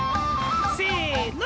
せの。